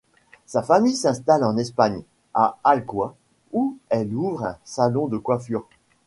Sa famille s’installe en Espagne, à Alcoy, où elle ouvre un salon de coiffure.